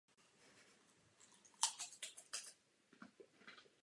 Další lokalitou jsou svahy na východ a jihovýchod od obce.